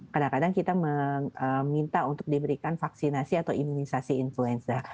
kadang kadang kita meminta untuk diberikan vaksinasi atau imunisasi influenza